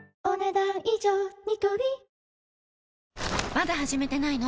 まだ始めてないの？